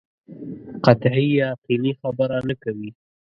قطعي یقیني خبره نه کوي.